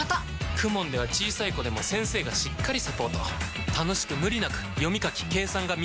ＫＵＭＯＮ では小さい子でも先生がしっかりサポート楽しく無理なく読み書き計算が身につきます！